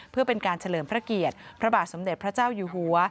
เพื่อเป็นการเฉลิมพระเกียรติพระบาทสมเด็จพระเจ้าอยู่หัว